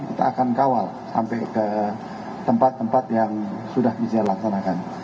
kita akan kawal sampai ke tempat tempat yang sudah bisa laksanakan